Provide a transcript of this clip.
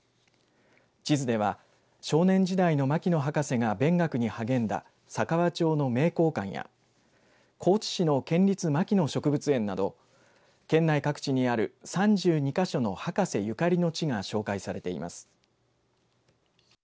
地図では少年時代の牧野博士が勉学に励んだ佐川町の名教館や高知市の県立牧野植物園などを県内各地にある３２か所の博士ゆかりの地が紹介されています。